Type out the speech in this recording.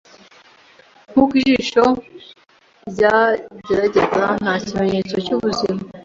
Nkuko ijisho ryageraga, nta kimenyetso cyubuzima.